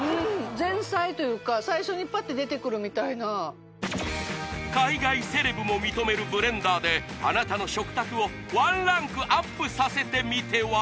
前菜というか最初にパッて出てくるみたいな海外セレブも認めるブレンダーであなたの食卓をワンランクアップさせてみては？